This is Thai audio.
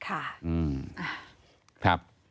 อืมครับ